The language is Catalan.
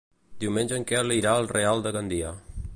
Diumenge en Quel irà al Real de Gandia.